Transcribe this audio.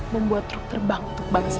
membuat truk terbang untuk bangsa